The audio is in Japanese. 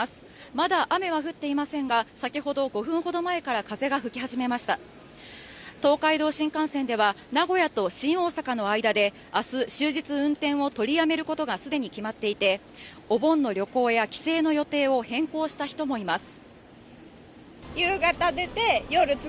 まだ雨は降っていませんが先ほど５分ほど前から風が吹き始めました東海道新幹線では名古屋と新大阪の間であす終日運転を取りやめることがすでに決まっていてお盆の旅行や帰省の予定を変更した人もいます